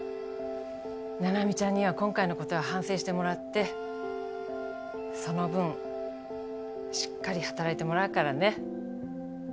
菜々美ちゃんには今回のことは反省してもらってその分しっかり働いてもらうからね！